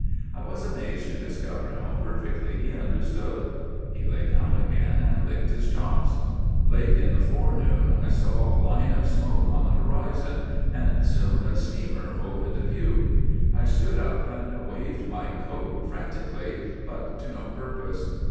" I was amazed to discover how perfectly he understood. He lay down again and licked his chops. " Late in the forenoon I saw a line of smoke on the horizon, and soon a steamer hove into view. I GULLIVER THE GREAT 17 stood up and waved my coat frantically, but to no purpose.